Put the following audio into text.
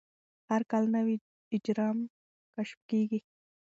هر کال نوي اجرام کشف کېږي.